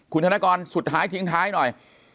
คุณธนกรสุดท้ายทิ้งท้ายหน่อย